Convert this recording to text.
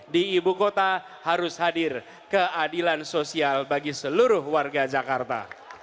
di ibu kota harus hadir keadilan sosial bagi seluruh warga jakarta